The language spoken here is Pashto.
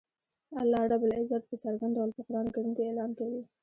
الله رب العزت په څرګند ډول په قران کریم کی اعلان کوی